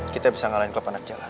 kita bisa ngalahin kelopak naik jalanan